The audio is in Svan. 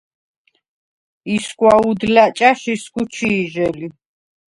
ისგვა უდლა̈ ჭა̈შ ისგუ ჩი̄ჟე ლი.